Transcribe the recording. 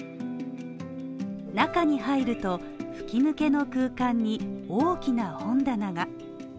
中に入ると吹き抜けの空間に大きな本棚が。